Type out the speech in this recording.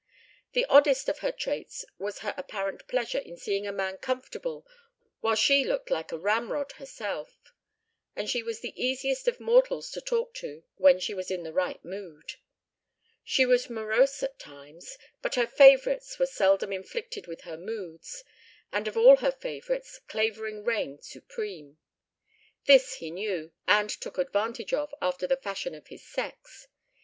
The oddest of her traits was her apparent pleasure in seeing a man comfortable while she looked like a ramrod herself; and she was the easiest of mortals to talk to when she was in the right mood. She was morose at times, but her favorites were seldom inflicted with her moods, and of all her favorites Clavering reigned supreme. This he knew and took advantage of after the fashion of his sex.